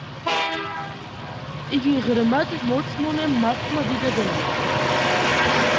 იგი ღრმად მორწმუნე მართლმადიდებელია